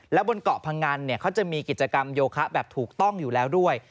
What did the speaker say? และบนเกาะพงันเขาจะมีกิจกรรมโยคะแบบถูกต้องอยู่แล้วด้วย